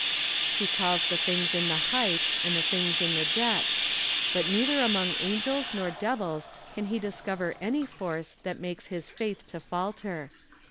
He calls the Things in the Heights and the Things in the Depths; but neither among angels nor devils can he discover any force that makes his faith to falter!